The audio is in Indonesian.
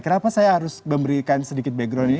kenapa saya harus memberikan sedikit background ini